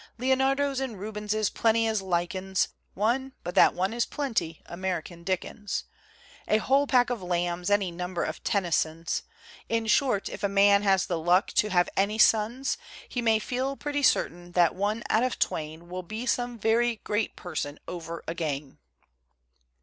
Leonardos and Rubenses plenty as lichens; One (but that one is plenty) American Dickens, A whole pack of Lambs, any number of Tennysons; In short, if a man has the luck to have any sons He may feel pretty certain that one out of twain Will be some very great person over again.